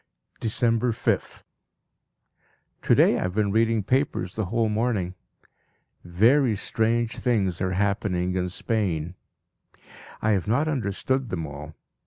December 5th. To day I have been reading papers the whole morning. Very strange things are happening in Spain. I have not understood them all.